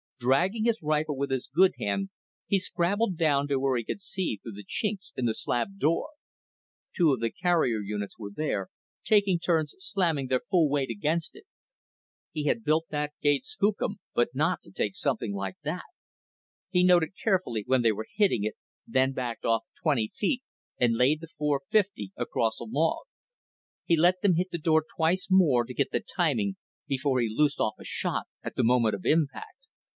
Dragging his rifle with his good hand, he scrabbled down to where he could see through the chinks in the slab door. Two of the carrier units were there, taking turns slamming their full weight against it. He had built that gate skookum, but not to take something like that. He noted carefully where they were hitting it, then backed off twenty feet and laid the .450 across a log. He let them hit the door twice more to get the timing before he loosed off a shot, at the moment of impact.